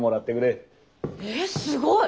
えすごい！